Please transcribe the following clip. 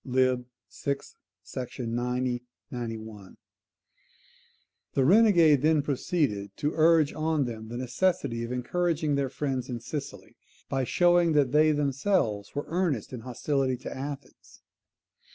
vi sec. 90,91.] The renegade then proceeded to urge on them the necessity of encouraging their friends in Sicily, by showing that they themselves were earnest in hostility to Athens.